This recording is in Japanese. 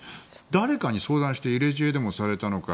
誰かに相談して入れ知恵でもされたのか